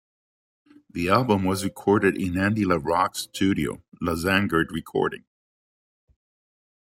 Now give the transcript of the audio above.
The album was recorded in Andy LaRocque's studio Los Angered Recording.